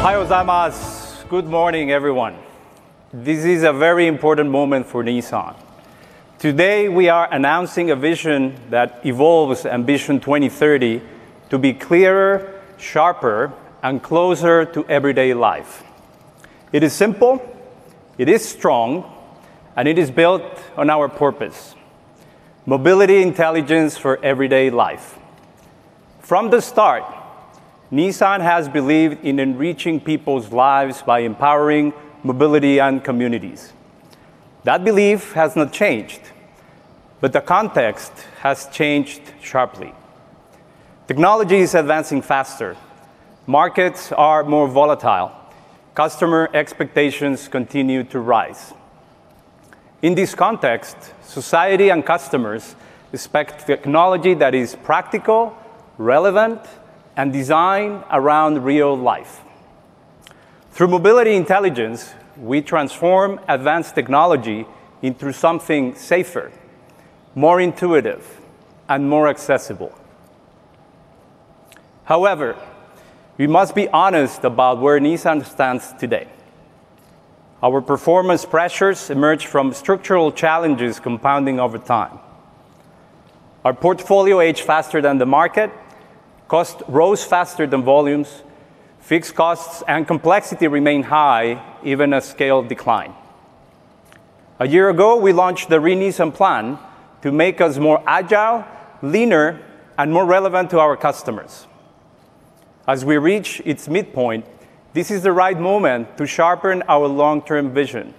Good morning, everyone. This is a very important moment for Nissan. Today, we are announcing a vision that evolves Ambition 2030 to be clearer, sharper, and closer to everyday life. It is simple, it is strong, and it is built on our purpose. Mobility intelligence for everyday life. From the start, Nissan has believed in enriching people's lives by empowering mobility and communities. That belief has not changed, but the context has changed sharply. Technology is advancing faster. Markets are more volatile. Customer expectations continue to rise. In this context, society and customers expect technology that is practical, relevant, and designed around real life. Through mobility intelligence, we transform advanced technology into something safer, more intuitive, and more accessible. However, we must be honest about where Nissan stands today. Our performance pressures emerge from structural challenges compounding over time. Our portfolio aged faster than the market, cost rose faster than volumes, fixed costs and complexity remain high, even at scale decline. A year ago, we launched the Renaissance plan to make us more agile, leaner, and more relevant to our customers. As we reach its midpoint, this is the right moment to sharpen our long-term vision,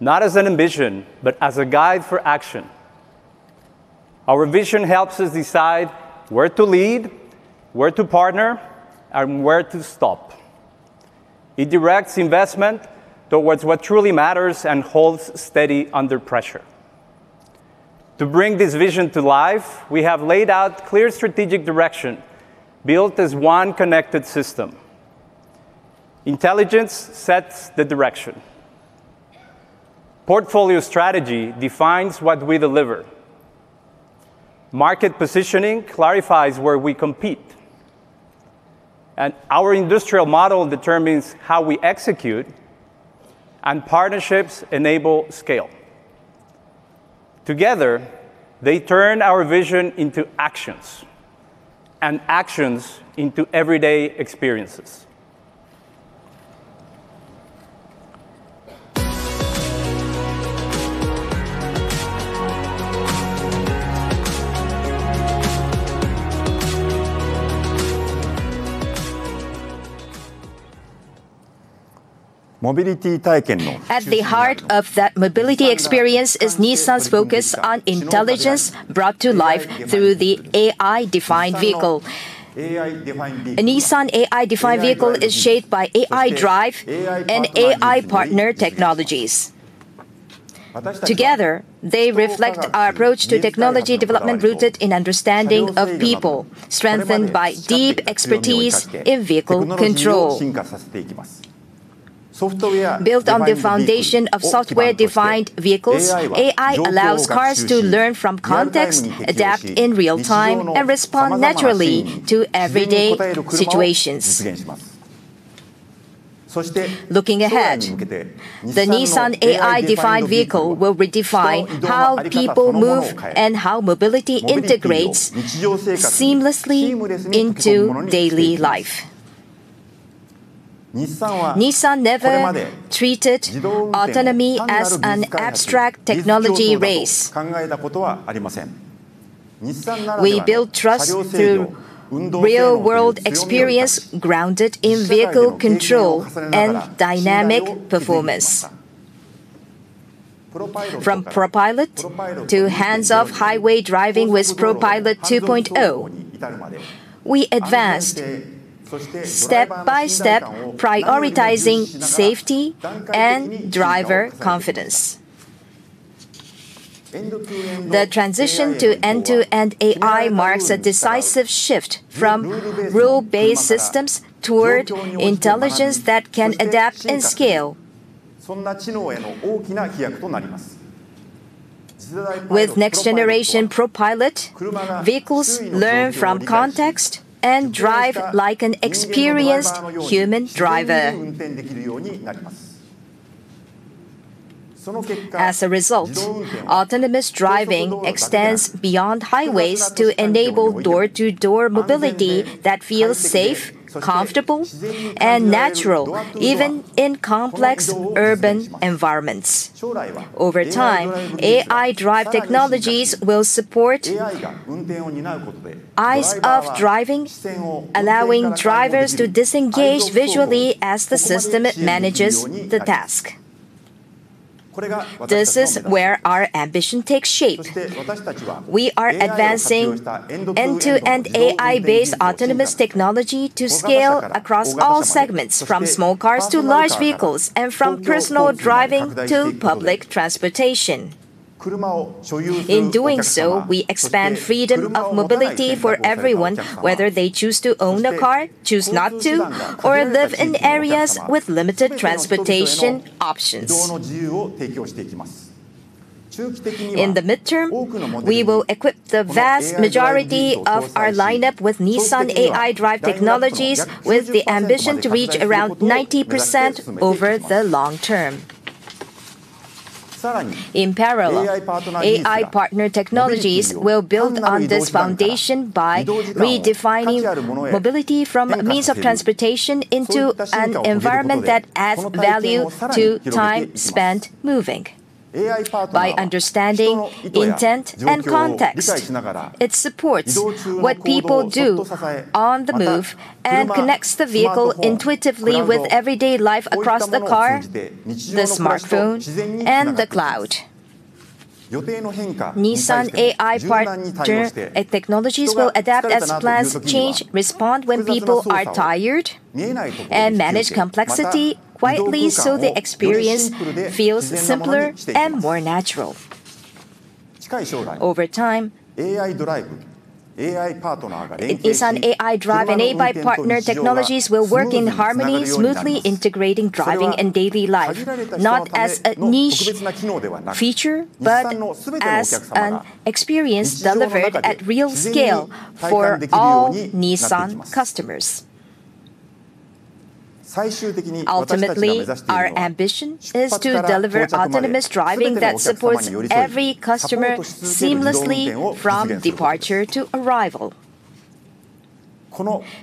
not as an Ambition, but as a guide for action. Our vision helps us decide where to lead, where to partner, and where to stop. It directs investment towards what truly matters and holds steady under pressure. To bring this vision to life, we have laid out clear strategic direction, built as one connected system. Intelligence sets the direction. Portfolio strategy defines what we deliver. Market positioning clarifies where we compete. Our industrial model determines how we execute, and partnerships enable scale. Together, they turn our vision into actions and actions into everyday experiences. At the heart of that mobility experience is Nissan's focus on intelligence brought to life through the AI-defined vehicle. A Nissan AI-defined vehicle is shaped by AI Drive and AI Partner technologies. Together, they reflect our approach to technology development rooted in understanding of people, strengthened by deep expertise in vehicle control. Built on the foundation of software-defined vehicles, AI allows cars to learn from context, adapt in real-time, and respond naturally to everyday situations. Looking ahead, the Nissan AI-defined vehicle will redefine how people move and how mobility integrates seamlessly into daily life. Nissan never treated autonomy as an abstract technology race. We build trust through real-world experience grounded in vehicle control and dynamic performance. From ProPILOT to hands-off highway driving with ProPILOT 2.0, we advanced step by step, prioritizing safety and driver confidence. The transition to end-to-end AI marks a decisive shift from rule-based systems toward intelligence that can adapt and scale. With next-generation ProPILOT, vehicles learn from context and drive like an experienced human driver. As a result, autonomous driving extends beyond highways to enable door-to-door mobility that feels safe, comfortable, and natural even in complex urban environments. Over time, AI Drive technologies will support eyes-off driving, allowing drivers to disengage visually as the system manages the task. This is where our ambition takes shape. We are advancing end-to-end AI-based autonomous technology to scale across all segments, from small cars to large vehicles, and from personal driving to public transportation. In doing so, we expand freedom of mobility for everyone, whether they choose to own a car, choose not to, or live in areas with limited transportation options. In the midterm, we will equip the vast majority of our lineup with Nissan AI Drive technologies, with the ambition to reach around 90% over the long term. In parallel, AI Partner technologies will build on this foundation by redefining mobility from a means of transportation into an environment that adds value to time spent moving. By understanding intent and context, it supports what people do on the move and connects the vehicle intuitively with everyday life across the car, the smartphone, and the cloud. Nissan AI Partner technologies will adapt as plans change, respond when people are tired, and manage complexity quietly so the experience feels simpler and more natural. Over time, Nissan AI Drive and AI Partner technologies will work in harmony, smoothly integrating driving and daily life, not as a niche feature, but as an experience delivered at real scale for all Nissan customers. Ultimately, our ambition is to deliver autonomous driving that supports every customer seamlessly from departure to arrival.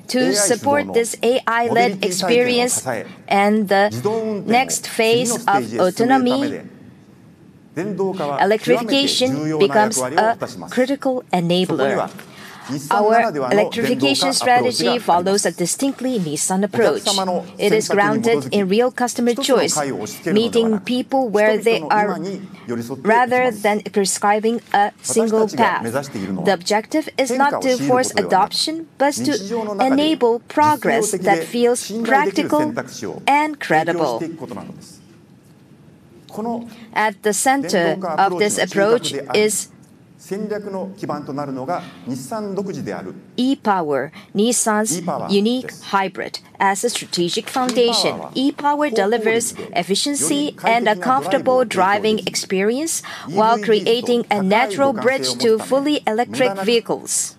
To support this AI-led experience and the next phase of autonomy, electrification becomes a critical enabler. Our electrification strategy follows a distinctly Nissan approach. It is grounded in real customer choice, meeting people where they are rather than prescribing a single path. The objective is not to force adoption, but to enable progress that feels practical and credible. At the center of this approach is e-POWER, Nissan's unique hybrid as a strategic foundation. e-POWER delivers efficiency and a comfortable driving experience while creating a natural bridge to fully electric vehicles.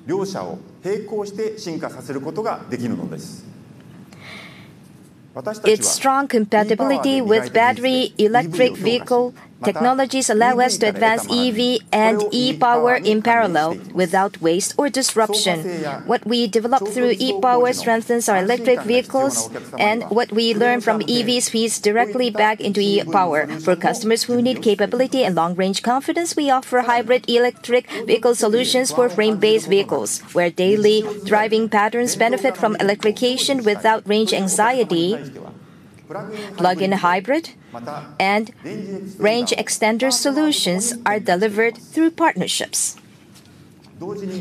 Its strong compatibility with battery electric vehicle technologies allow us to advance EV and e-POWER in parallel without waste or disruption. What we develop through e-POWER strengthens our electric vehicles, and what we learn from EVs feeds directly back into e-POWER. For customers who need capability and long-range confidence, we offer hybrid electric vehicle solutions for frame-based vehicles, where daily driving patterns benefit from electrification without range anxiety. Plug-in hybrid and range extender solutions are delivered through partnerships.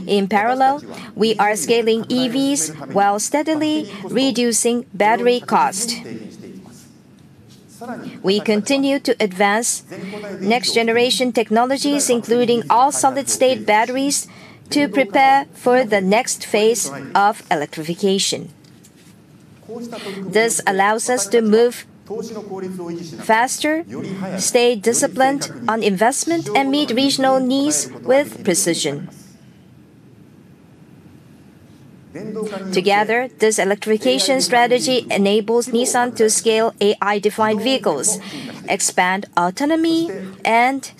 In parallel, we are scaling EVs while steadily reducing battery cost. We continue to advance next-generation technologies, including all-solid-state batteries to prepare for the next phase of electrification. This allows us to move faster, stay disciplined on investment, and meet regional needs with precision. Together, this electrification strategy enables Nissan to scale AI-defined vehicles, expand autonomy, and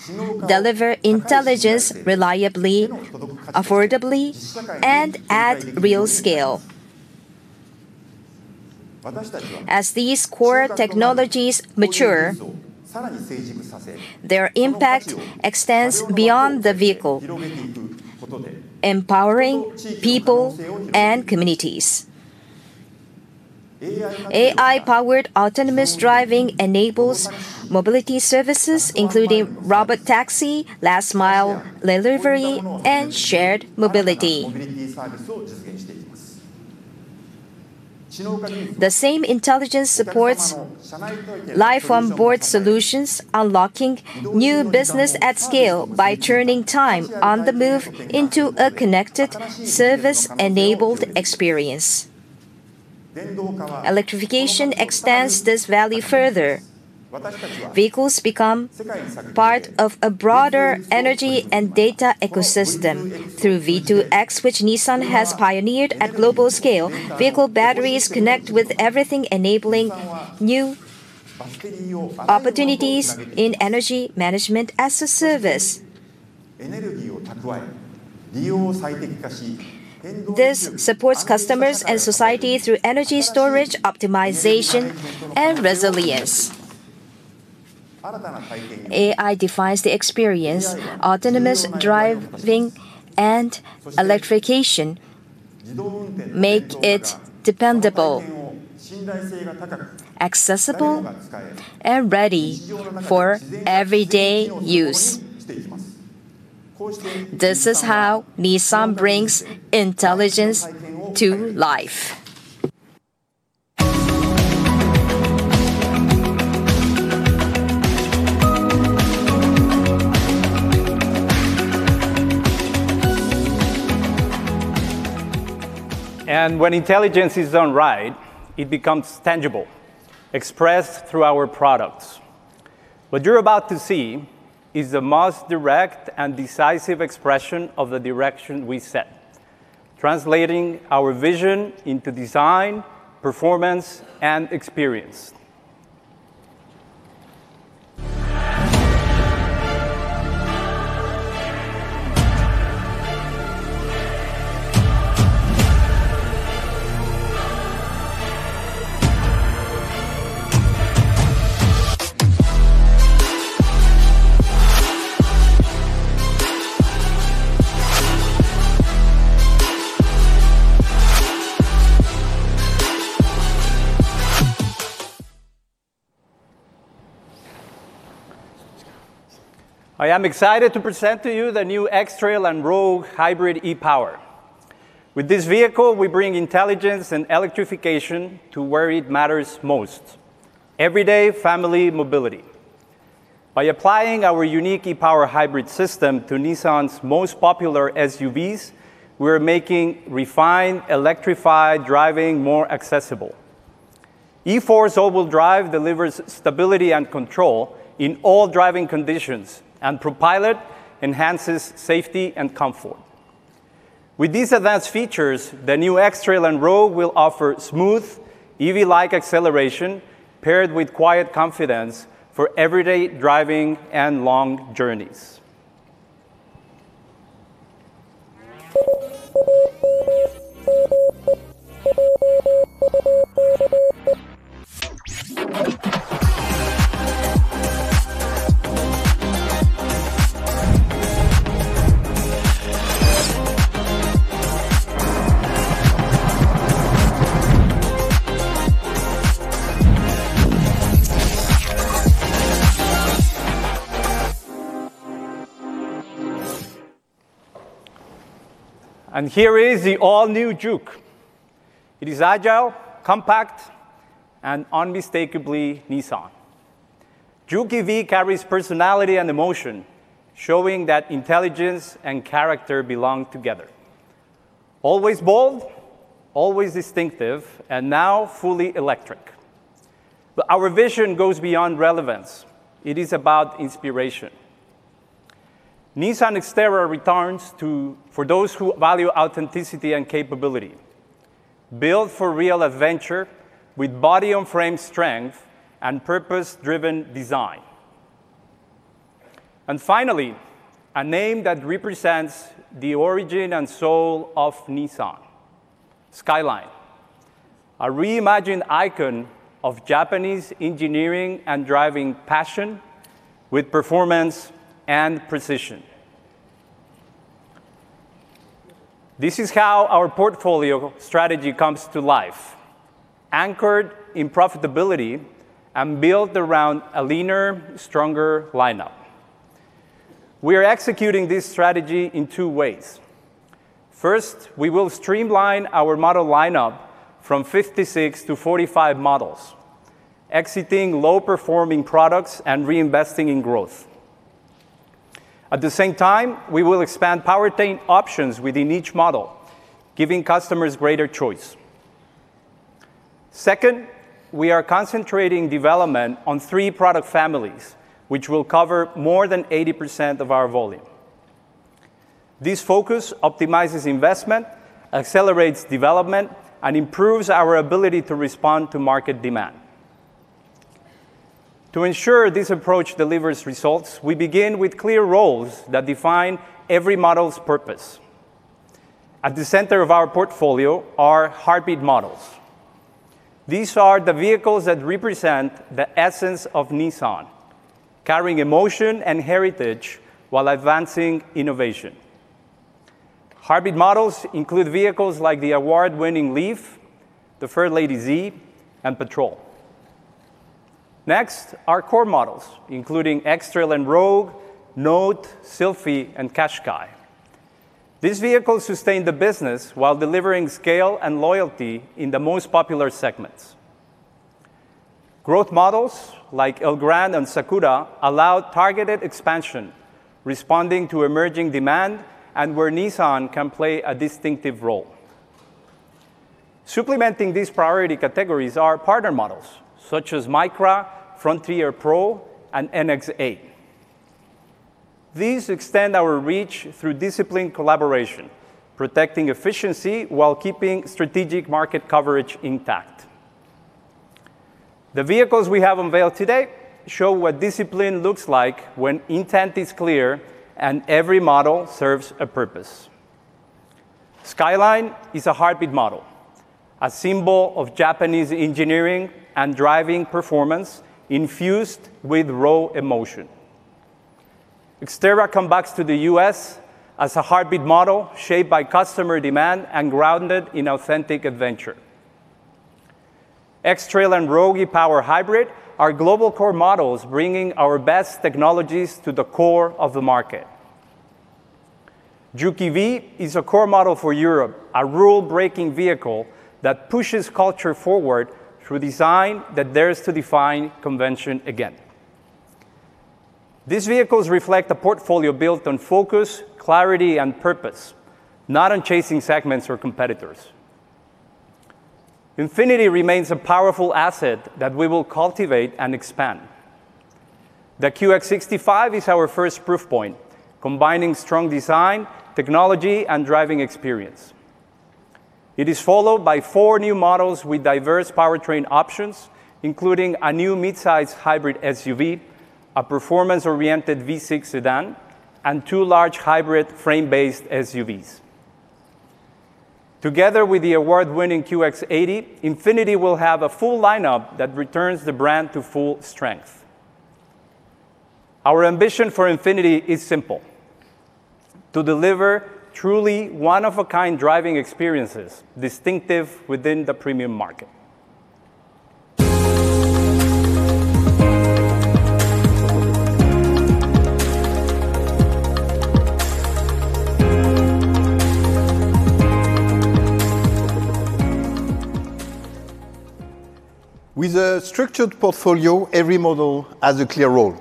deliver intelligence reliably, affordably, and at real scale. As these core technologies mature, their impact extends beyond the vehicle, empowering people and communities. AI-powered autonomous driving enables mobility services, including Robotaxi, last-mile delivery, and shared mobility. The same intelligence supports life-on-board solutions, unlocking new business at scale by turning time on the move into a connected service-enabled experience. Electrification extends this value further. Vehicles become part of a broader energy and data ecosystem through V2X, which Nissan has pioneered at global scale. Vehicle batteries connect with everything, enabling new opportunities in energy management as a service. This supports customers and society through energy storage, optimization, and resilience. AI defines the experience. Autonomous driving and electrification make it dependable, accessible, and ready for everyday use. This is how Nissan brings intelligence to life. When intelligence is done right, it becomes tangible, expressed through our products. What you are about to see is the most direct and decisive expression of the direction we set, translating our vision into design, performance, and experience. I am excited to present to you the new X-Trail and Rogue Hybrid e-POWER. With this vehicle, we bring intelligence and electrification to where it matters most, everyday family mobility. By applying our unique e-POWER hybrid system to Nissan's most popular SUVs, we are making refined, electrified driving more accessible. e-4ORCE all-wheel drive delivers stability and control in all driving conditions, and ProPILOT enhances safety and comfort. With these advanced features, the new X-Trail and Rogue will offer smooth, EV-like acceleration paired with quiet confidence for everyday driving and long journeys. Here is the all-new Juke. It is agile, compact, and unmistakably Nissan. Juke EV carries personality and emotion, showing that intelligence and character belong together, always bold, always distinctive, and now fully electric. Our vision goes beyond relevance. It is about inspiration. Nissan Xterra returns for those who value authenticity and capability, built for real adventure with body-on-frame strength and purpose-driven design. Finally, a name that represents the origin and soul of Nissan, Skyline, a reimagined icon of Japanese engineering and driving passion with performance and precision. This is how our portfolio strategy comes to life, anchored in profitability and built around a leaner, stronger lineup. We are executing this strategy in two ways. First, we will streamline our model lineup from 56 to 45 models, exiting low-performing products and reinvesting in growth. At the same time, we will expand powertrain options within each model, giving customers greater choice. Second, we are concentrating development on three product families, which will cover more than 80% of our volume. This focus optimizes investment, accelerates development, and improves our ability to respond to market demand. To ensure this approach delivers results, we begin with clear roles that define every model's purpose. At the center of our portfolio are heartbeat models. These are the vehicles that represent the essence of Nissan, carrying emotion and heritage while advancing innovation. Heartbeat models include vehicles like the award-winning LEAF, the Fairlady Z, and Patrol. Next are core models, including X-Trail and Rogue, Note, Sylphy, and Qashqai. These vehicles sustain the business while delivering scale and loyalty in the most popular segments. Growth models, like Elgrand and Sakura, allow targeted expansion, responding to emerging demand and where Nissan can play a distinctive role. Supplementing these priority categories are partner models such as Micra, Frontier PRO-4X, and NX8. These extend our reach through disciplined collaboration, protecting efficiency while keeping strategic market coverage intact. The vehicles we have unveiled today show what discipline looks like when intent is clear, and every model serves a purpose. Skyline is a heartbeat model, a symbol of Japanese engineering and driving performance infused with raw emotion. Xterra comes back to the U.S. as a heartbeat model shaped by customer demand and grounded in authentic adventure. X-Trail and Rogue e-POWER hybrid are global core models, bringing our best technologies to the core of the market. Juke EV is a core model for Europe, a rule-breaking vehicle that pushes culture forward through design that dares to defy convention again. These vehicles reflect a portfolio built on focus, clarity, and purpose, not on chasing segments or competitors. Infiniti remains a powerful asset that we will cultivate and expand. The QX65 is our first proof point, combining strong design, technology, and driving experience. It is followed by four new models with diverse powertrain options, including a new mid-size hybrid SUV, a performance-oriented V6 sedan, and two large hybrid frame-based SUVs. Together with the award-winning QX80, Infiniti will have a full lineup that returns the brand to full strength. Our ambition for Infiniti is simple, to deliver truly one-of-a-kind driving experiences distinctive within the premium market. With a structured portfolio, every model has a clear role,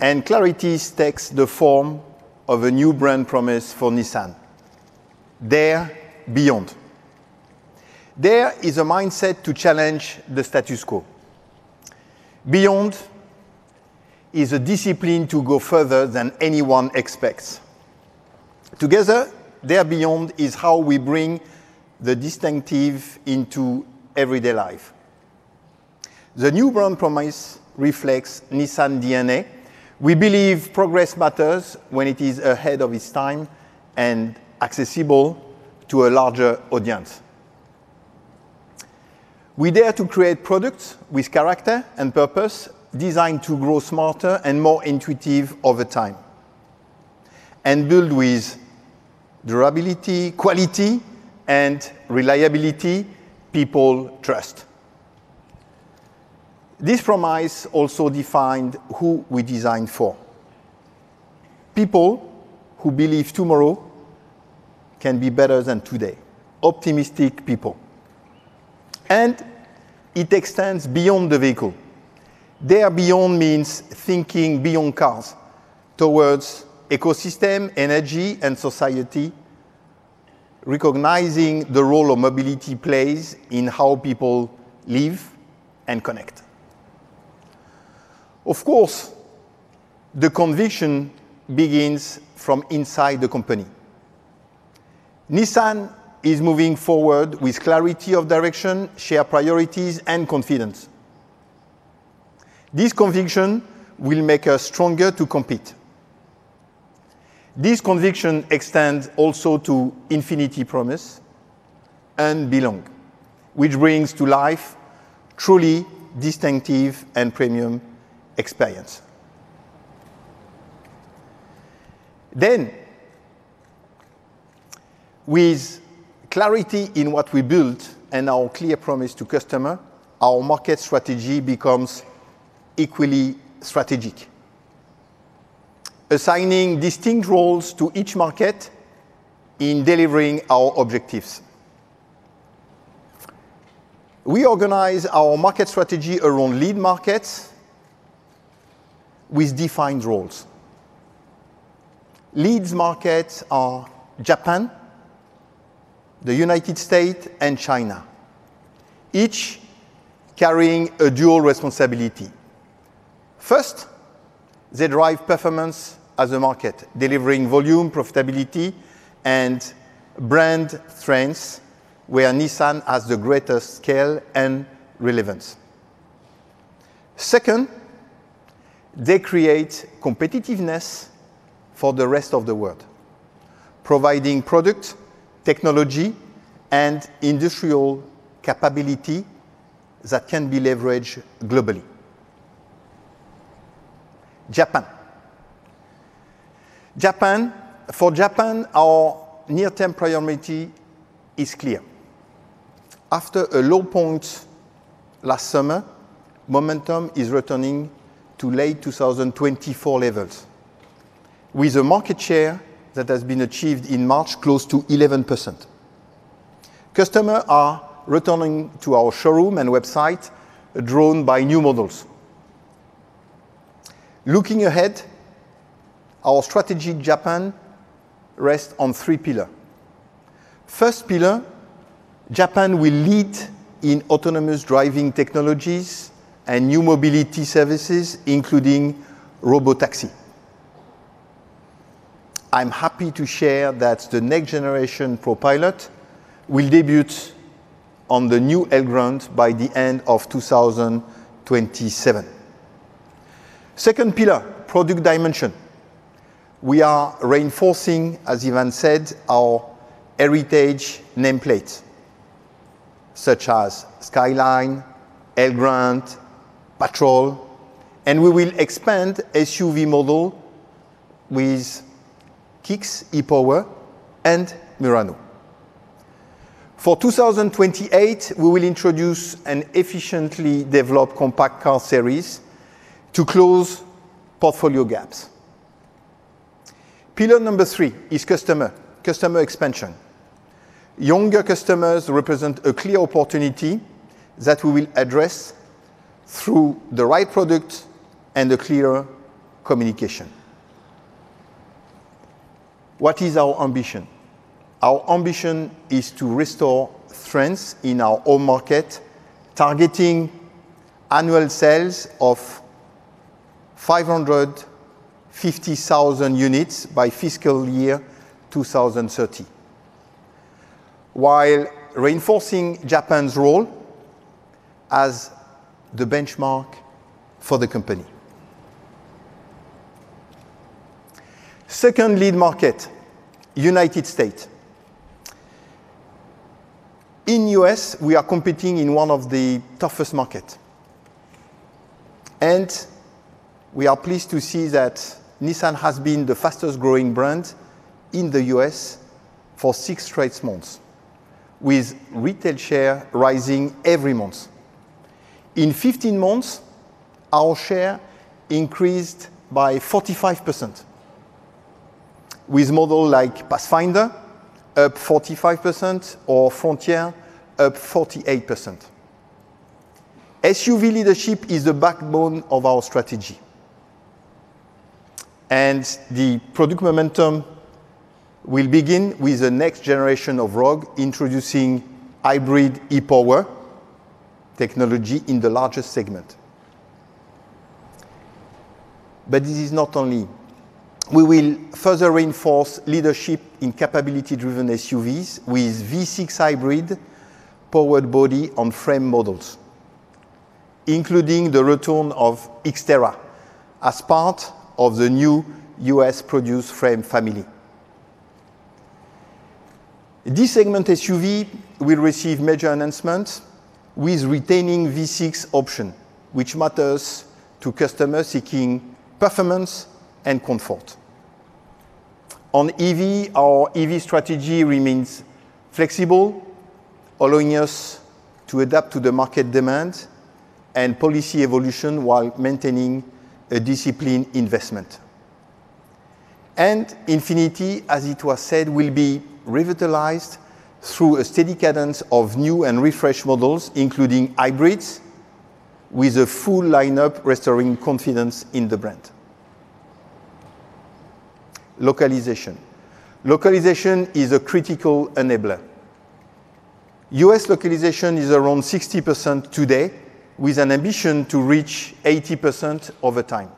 and clarity takes the form of a new brand promise for Nissan, Dare Beyond. Dare is a mindset to challenge the status quo. Beyond is a discipline to go further than anyone expects. Together, Dare Beyond is how we bring the distinctive into everyday life. The new brand promise reflects Nissan DNA. We believe progress matters when it is ahead of its time and accessible to a larger audience. We dare to create products with character and purpose, designed to grow smarter and more intuitive over time, and build with durability, quality, and reliability people trust. This promise also defined who we design for, people who believe tomorrow can be better than today, optimistic people. It extends beyond the vehicle. Dare Beyond means thinking beyond cars towards ecosystem, energy, and society, recognizing the role mobility plays in how people live and connect. Of course, the conviction begins from inside the company. Nissan is moving forward with clarity of direction, shared priorities, and confidence. This conviction will make us stronger to compete. This conviction extends also to Infiniti Promise and Belong, which brings to life truly distinctive and premium experience. With clarity in what we build and our clear promise to customer, our market strategy becomes equally strategic, assigning distinct roles to each market in delivering our objectives. We organize our market strategy around lead markets with defined roles. Lead markets are Japan, the United States, and China, each carrying a dual responsibility. First, they drive performance as a market, delivering volume, profitability, and brand strength where Nissan has the greatest scale and relevance. Second, they create competitiveness for the rest of the world, providing product, technology, and industrial capability that can be leveraged globally. For Japan, our near-term priority is clear. After a low point last summer, momentum is returning to late 2024 levels with a market share that has been achieved in March, close to 11%. Customer are returning to our showroom and website drawn by new models. Looking ahead, our strategy in Japan rests on three pillars. First pillar, Japan will lead in autonomous driving technologies and new mobility services, including Robotaxi. I'm happy to share that the next generation ProPILOT will debut on the new Elgrand by the end of 2027. Second pillar, product dimension, we are reinforcing, as Ivan said, our heritage nameplates such as Skyline, Elgrand, Patrol, and we will expand SUV model with Kicks e-POWER and Murano. For 2028, we will introduce an efficiently developed compact car series to close portfolio gaps. Pillar number 3 is customer expansion. Younger customers represent a clear opportunity that we will address through the right product and a clear communication. What is our ambition? Our ambition is to restore strength in our home market, targeting annual sales of 550,000 units by fiscal year 2030, while reinforcing Japan's role as the benchmark for the company. Second lead market, United States. In U.S., we are competing in one of the toughest market. We are pleased to see that Nissan has been the fastest growing brand in the U.S. for six straight months, with retail share rising every month. In 15 months, our share increased by 45%, with model like Pathfinder up 45% or Frontier up 48%. SUV leadership is the backbone of our strategy. Product momentum will begin with the next generation of Rogue, introducing hybrid e-POWER technology in the largest segment. This is not only. We will further reinforce leadership in capability-driven SUVs with V6 hybrid powered body-on-frame models, including the return of Xterra as part of the new U.S.-produced frame family. This segment SUV will receive major enhancements with retaining V6 option, which matters to customers seeking performance and comfort. On EV, our EV strategy remains flexible, allowing us to adapt to the market demand and policy evolution while maintaining a disciplined investment. Infiniti, as it was said, will be revitalized through a steady cadence of new and refreshed models, including hybrids, with a full lineup restoring confidence in the brand. Localization. Localization is a critical enabler. U.S. localization is around 60% today with an ambition to reach 80% over time.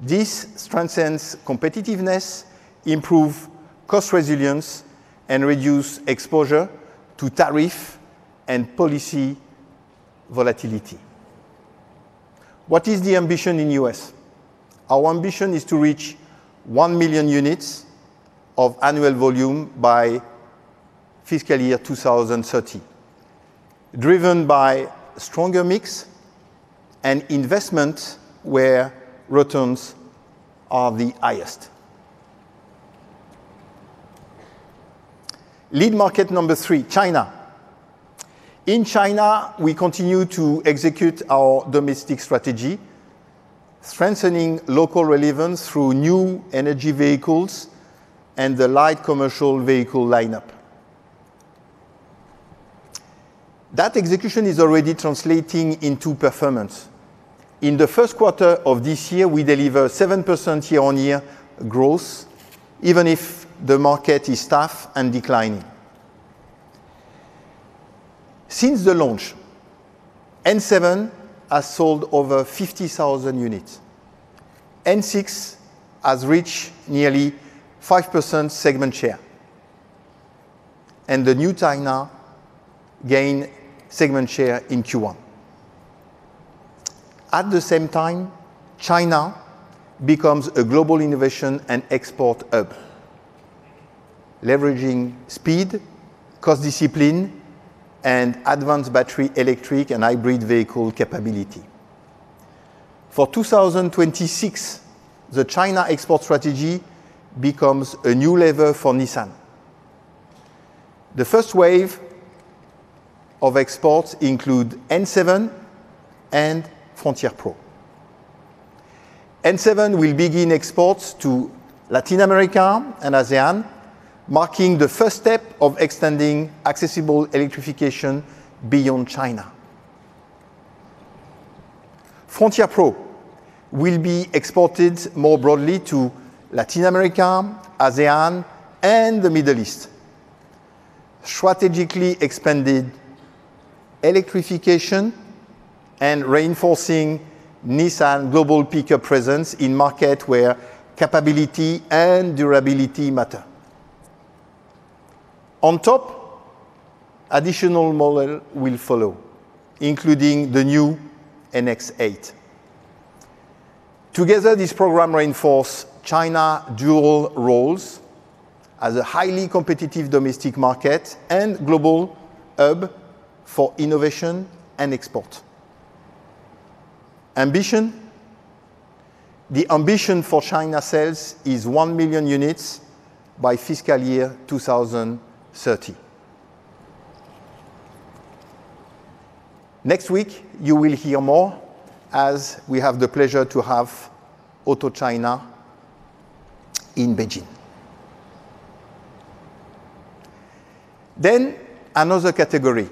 This strengthens competitiveness, improve cost resilience, and reduce exposure to tariff and policy volatility. What is the ambition in U.S.? Our ambition is to reach 1 million units of annual volume by fiscal year 2030, driven by stronger mix and investment where returns are the highest. Lead market number three, China. In China, we continue to execute our domestic strategy, strengthening local relevance through New Energy Vehicles and the Light Commercial Vehicle lineup. That execution is already translating into performance. In the first quarter of this year, we deliver 7% year-on-year growth, even if the market is tough and declining. Since the launch, N7 has sold over 50,000 units. N6 has reached nearly 5% segment share. The new China gained segment share in Q1. At the same time, China becomes a global innovation and export hub, leveraging speed, cost discipline, and advanced battery electric and hybrid vehicle capability. For 2026, the China export strategy becomes a new level for Nissan. The first wave of exports include N7 and Frontier Pro. N7 will begin exports to Latin America and ASEAN, marking the first step of extending accessible electrification beyond China. Frontier Pro will be exported more broadly to Latin America, ASEAN, and the Middle East, strategically expanded electrification and reinforcing Nissan global pickup presence in market where capability and durability matter. On top, additional model will follow, including the new NX8. Together, this program reinforce China dual roles as a highly competitive domestic market and global hub for innovation and export. The ambition for China sales is 1 million units by fiscal year 2030. Next week, you will hear more as we have the pleasure to have Auto China in Beijing. Then, another category,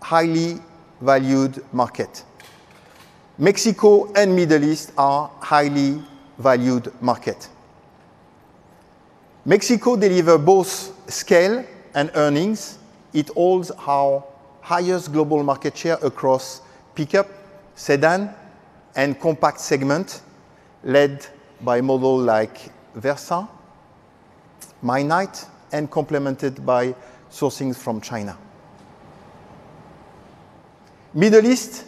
highly valued market. Mexico and Middle East are highly valued market. Mexico deliver both scale and earnings. It holds our highest global market share across pickup, sedan, and compact segment led by model like Versa, Magnite, and complemented by sourcing from China. Middle East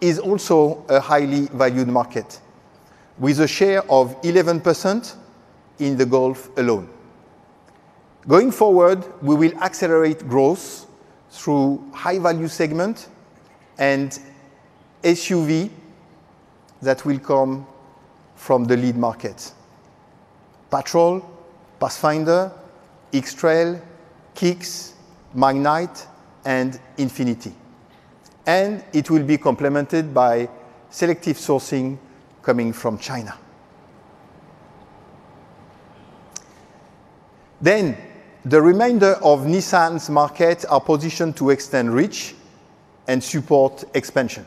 is also a highly valued market with a share of 11% in the Gulf alone. Going forward, we will accelerate growth through high-value segment and SUV that will come from the lead market. Patrol, Pathfinder, X-Trail, Kicks, Magnite, and Infiniti. It will be complemented by selective sourcing coming from China. Then, the remainder of Nissan's market are positioned to extend reach and support expansion,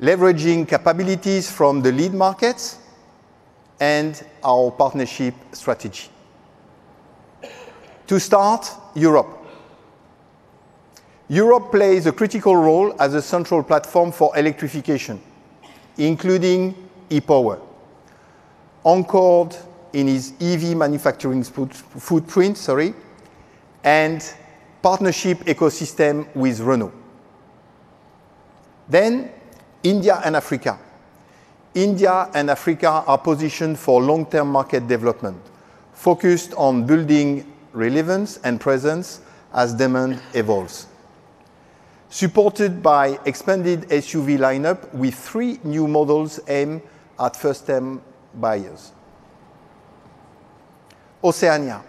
leveraging capabilities from the lead markets and our partnership strategy. To start, Europe. Europe plays a critical role as a central platform for electrification, including e-POWER, anchored in its EV manufacturing footprint, sorry, and partnership ecosystem with Renault. India and Africa. India and Africa are positioned for long-term market development, focused on building relevance and presence as demand evolves, supported by expanded SUV lineup with three new models aimed at first-time buyers. Oceania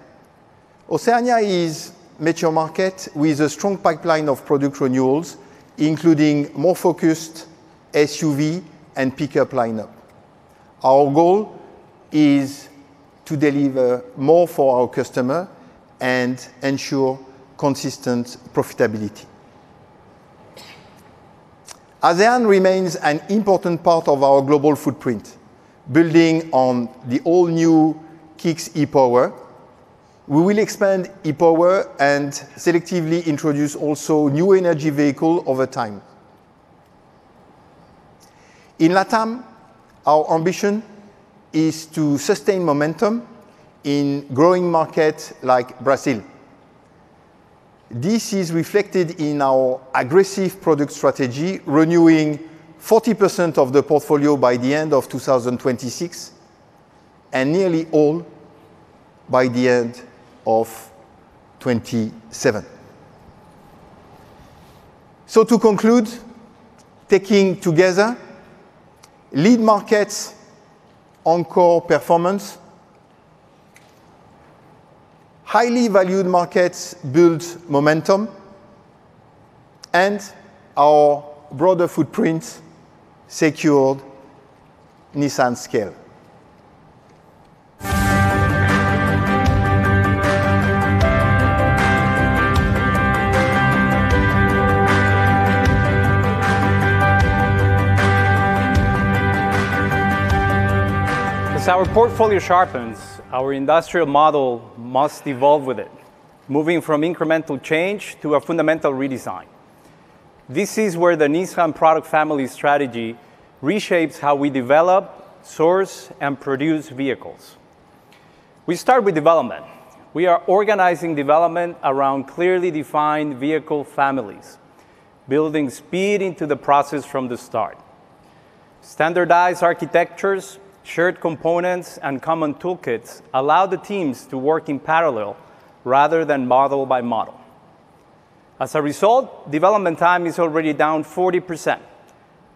is mature market with a strong pipeline of product renewals, including more focused SUV and pickup lineup. Our goal is to deliver more for our customer and ensure consistent profitability. ASEAN remains an important part of our global footprint, building on the all-new Kicks e-POWER. We will expand e-POWER and selectively introduce also New Energy Vehicle over time. In LATAM, our ambition is to sustain momentum in growing markets like Brazil. This is reflected in our aggressive product strategy, renewing 40% of the portfolio by the end of 2026 and nearly all by the end of 2027. To conclude, taking together, lead markets anchor performance, highly valued markets build momentum, and our broader footprint secured Nissan scale. As our portfolio sharpens, our industrial model must evolve with it, moving from incremental change to a fundamental redesign. This is where the Nissan product family strategy reshapes how we develop, source, and produce vehicles. We start with development. We are organizing development around clearly defined vehicle families, building speed into the process from the start. Standardized architectures, shared components, and common toolkits allow the teams to work in parallel rather than model by model. As a result, development time is already down 40%,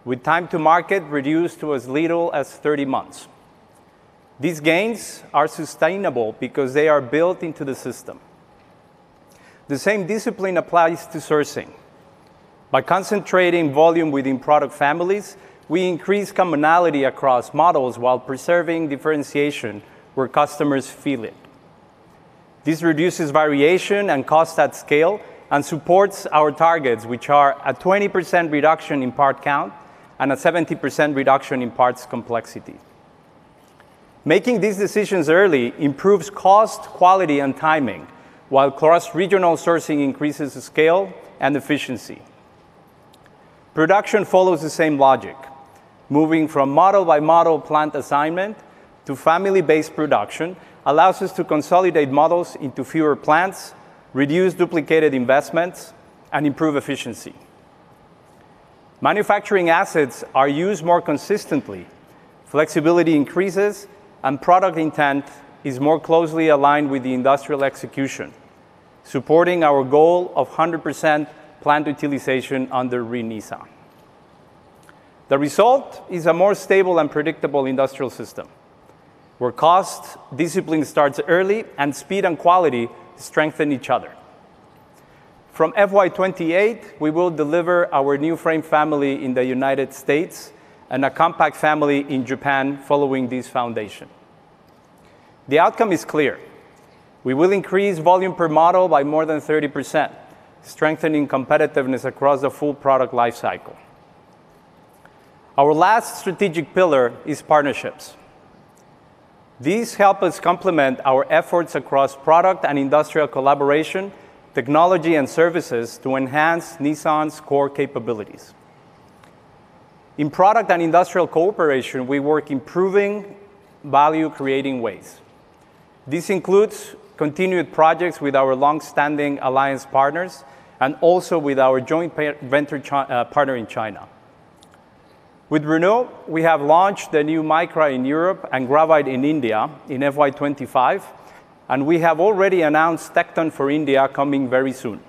with time to market reduced to as little as 30 months. These gains are sustainable because they are built into the system. The same discipline applies to sourcing. By concentrating volume within product families, we increase commonality across models while preserving differentiation where customers feel it. This reduces variation and cost at scale and supports our targets, which are a 20% reduction in part count and a 70% reduction in parts complexity. Making these decisions early improves cost, quality, and timing, while cross-regional sourcing increases scale and efficiency. Production follows the same logic. Moving from model-by-model plant assignment to family-based production allows us to consolidate models into fewer plants, reduce duplicated investments, and improve efficiency. Manufacturing assets are used more consistently, flexibility increases, and product intent is more closely aligned with the industrial execution, supporting our goal of 100% plant utilization under The Arc. The result is a more stable and predictable industrial system, where cost discipline starts early and speed and quality strengthen each other. From FY 2028, we will deliver our new frame family in the U.S. and a compact family in Japan following this foundation. The outcome is clear. We will increase volume per model by more than 30%, strengthening competitiveness across the full product life cycle. Our last strategic pillar is partnerships. These help us complement our efforts across product and industrial collaboration, technology, and services to enhance Nissan’s core capabilities. In product and industrial cooperation, we work improving value-creating ways. This includes continued projects with our long-standing alliance partners and also with our joint venture partner in China. With Renault, we have launched the new Micra in Europe and Gravite in India in FY 2025, and we have already announced Tekna for India coming very soon.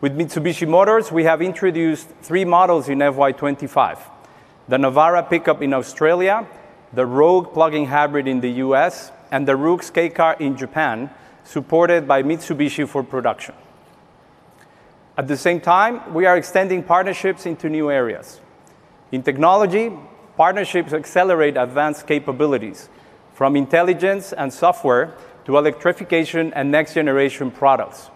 With Mitsubishi Motors, we have introduced three models in FY 2025, the Navara pickup in Australia, the Rogue plug-in hybrid in the U.S., and the Roox kei car in Japan, supported by Mitsubishi for production. At the same time, we are extending partnerships into new areas. In technology, partnerships accelerate advanced capabilities from intelligence and software to electrification and next-generation products,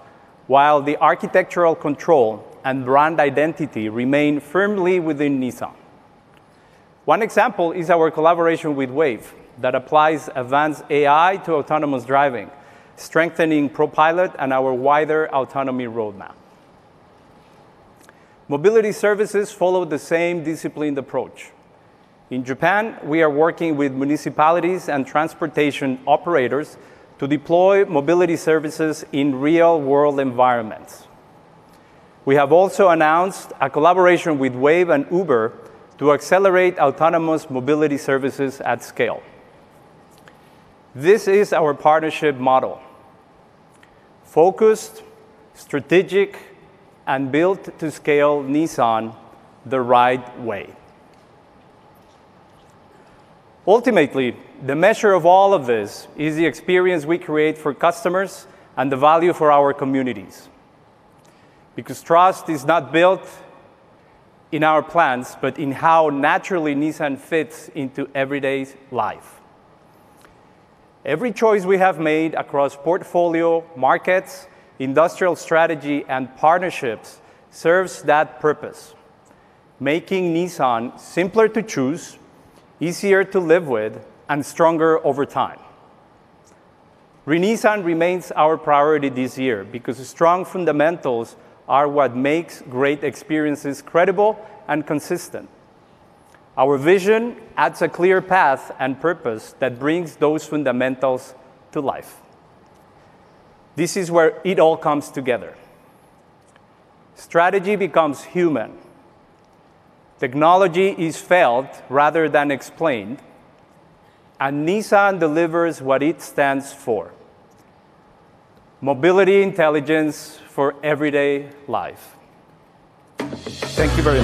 while the architectural control and brand identity remain firmly within Nissan. One example is our collaboration with Wayve that applies advanced AI to autonomous driving, strengthening ProPILOT and our wider autonomy roadmap. Mobility services follow the same disciplined approach. In Japan, we are working with municipalities and transportation operators to deploy mobility services in real-world environments. We have also announced a collaboration with Wayve and Uber to accelerate autonomous mobility services at scale. This is our partnership model, focused, strategic, and built to scale Nissan the right way. Ultimately, the measure of all of this is the experience we create for customers and the value for our communities. Because trust is not built in our plans, but in how naturally Nissan fits into everyday life. Every choice we have made across portfolio, markets, industrial strategy, and partnerships serves that purpose, making Nissan simpler to choose, easier to live with, and stronger over time. Nissan remains our priority this year because strong fundamentals are what makes great experiences credible and consistent. Our vision adds a clear path and purpose that brings those fundamentals to life. This is where it all comes together. Strategy becomes human. Technology is felt rather than explained. Nissan delivers what it stands for, mobility intelligence for everyday life. Thank you very.